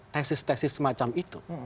tesis tesis semacam itu